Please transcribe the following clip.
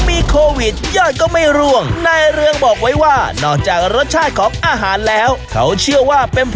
มันก็มีไอ้ไข่เราก็ว่าไอ้ไข่ด้วยแล้วก็ถือว่าครอบอยู่